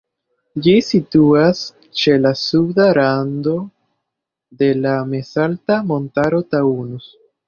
Ĝi situas ĉe la suda rando de la mezalta montaro Taunus.